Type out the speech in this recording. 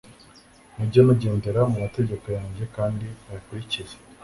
mujye mugendera mu mategeko yanjye kandi muyakurikize